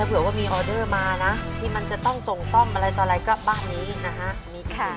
เผื่อว่ามีออเดอร์มานะที่มันจะต้องส่งซ่อมอะไรต่ออะไรก็บ้านนี้นะฮะ